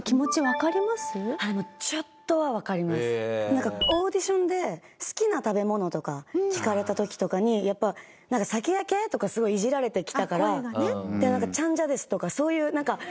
なんかオーディションで好きな食べ物とか聞かれた時とかにやっぱ「酒焼け？」とかすごいいじられてきたから「チャンジャです」とかそういう。